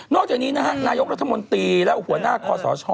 จากนี้นะฮะนายกรัฐมนตรีและหัวหน้าคอสช